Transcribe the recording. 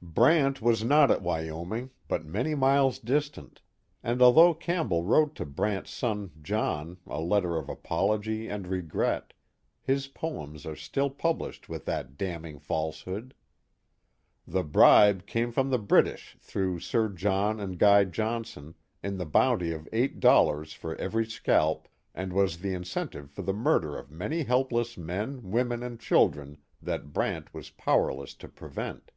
Brant was not at Wyoming, but many miles distant, and although Campbell wrote to Brant's son John a letter of apology and regret, his poems are still published with that damning falsehood. The bribe came from the British through Sir John and Guy Johnson, in the bounty of eight dollars for every scalp, and was the incentive for the murder of many helpless men, women, and children that Brant was powerless to prevent.